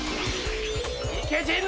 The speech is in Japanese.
いけ陣内！